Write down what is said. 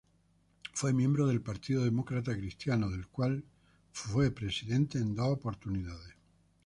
Fue miembro del Partido Demócrata Cristiano, del cual fue presidente en dos oportunidades.